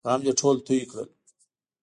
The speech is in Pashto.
غم دې ټول توی کړل!